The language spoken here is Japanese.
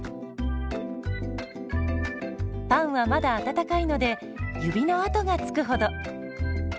パンはまだ温かいので指の跡がつくほど。